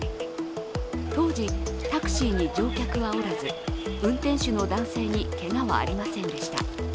当時、タクシーに乗客はおらず運転手の男性にけがはありませんでした。